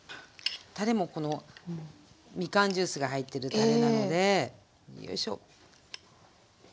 たれもこのみかんジュースが入ってるたれなのでよいしょ。